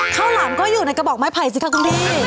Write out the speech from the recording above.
หลามก็อยู่ในกระบอกไม้ไผ่สิคะคุณดี